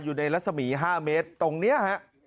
อยู่ในลักษณรภ์๕เมตรตรงเนี่ยฮะ